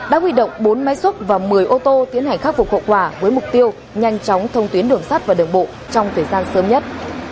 đã huy động bốn máy xúc và một mươi ô tô tiến hành khắc phục hậu quả với mục tiêu nhanh chóng thông tuyến đường sắt và đường bộ trong thời gian sớm nhất